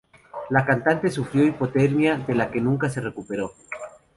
La cantante sufrió hipotermia de la que nunca se recuperó.